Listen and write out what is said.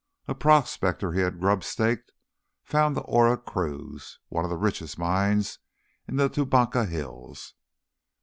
A prospector he had grub staked, found the Oro Cruz, one of the richest mines in the Tubacca hills.